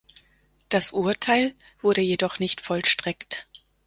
Das Urteil wurde jedoch nicht vollstreckt.